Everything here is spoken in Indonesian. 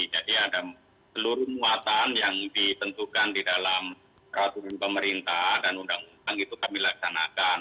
jadi ada seluruh muatan yang ditentukan di dalam ratuan pemerintah dan undang undang itu kami laksanakan